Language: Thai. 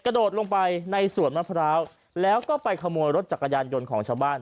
โดดลงไปในสวนมะพร้าวแล้วก็ไปขโมยรถจักรยานยนต์ของชาวบ้าน